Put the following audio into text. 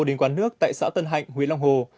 đình quán nước tại xã tân hạnh huyện long hồ